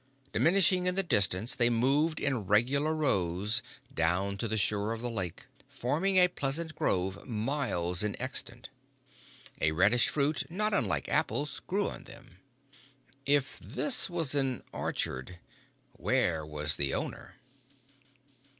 Diminishing in the distance, they moved in regular rows down to the shore of the lake, forming a pleasant grove miles in extent. A reddish fruit, not unlike apples, grew on them. If this was an orchard, where was the owner?